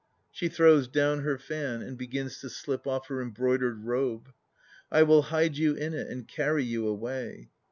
(She throws down her fan and begins to slip off her embroidered robe.) I will hide you in it and carry you away!